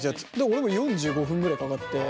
俺も４５分ぐらいかかって。